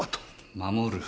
守る？